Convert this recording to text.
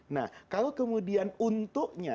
nah kalau kemudian untuknya